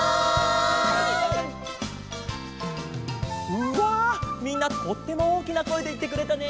うわみんなとってもおおきなこえでいってくれたね。